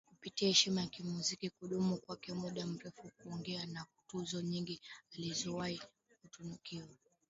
kupitia heshima yake kimuziki kudumu kwake muda mrefu ukongwe na tuzo nyingi alizowahi kutunukiwa